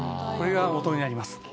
これがもとになります。